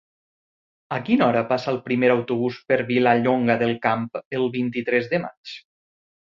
A quina hora passa el primer autobús per Vilallonga del Camp el vint-i-tres de maig?